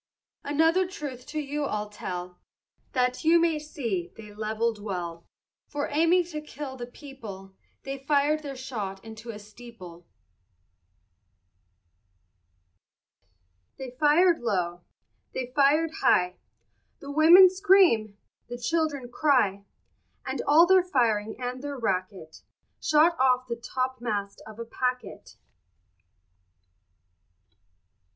Another truth to you I'll tell, That you may see they levelled well; For aiming for to kill the people, They fired their shot into a steeple. They fired low, they fired high, The women scream, the children cry; And all their firing and their racket Shot off the topmast of a packet.